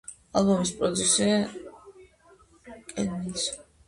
ალბომის პროდიუსერია კენ ნელსონი.